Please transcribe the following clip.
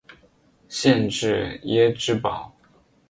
县治耶芝堡。